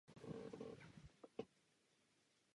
Burgundského.